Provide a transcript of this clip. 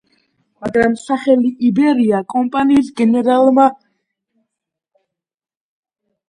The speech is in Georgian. მაგრამ სახელი „იბერია“, კომპანიის გენერალურმა დირექტორმა მაინც დარეგისტრირებული დატოვა.